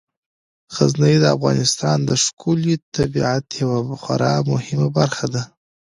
غزني د افغانستان د ښکلي طبیعت یوه خورا مهمه برخه ده.